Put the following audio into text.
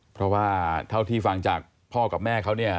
เพราะว่าเท่าที่ฟังจากพ่อกับแม่เขาเนี่ย